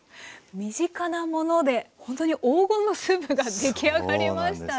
身近なものでほんとに黄金のスープが出来上がりましたね。